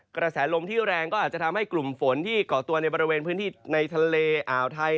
กระแสลมที่แรงก็อาจจะทำให้กลุ่มฝนที่เกาะตัวในบริเวณพื้นที่ในทะเลอ่าวไทย